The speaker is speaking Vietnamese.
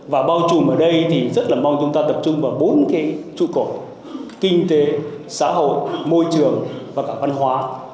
và bao trùm ở đây thì rất là mong chúng ta tập trung vào bốn cái trụ cột kinh tế xã hội môi trường và cả văn hóa